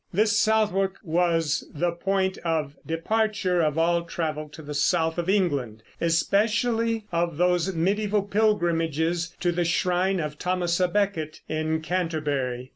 This Southwark was the point of departure of all travel to the south of England, especially of those mediæval pilgrimages to the shrine of Thomas a Becket in Canterbury.